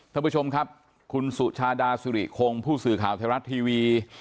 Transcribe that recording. ท่านผู้ชมครับคุณสุชาดาสุริคงผู้สื่อข่าวไทยรัฐทีวี